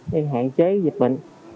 để hạn chế dịch bệnh